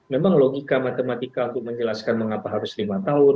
memang logika matematika untuk menjelaskan mengapa harus lima tahun